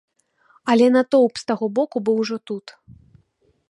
Але натоўп з таго боку быў ужо тут.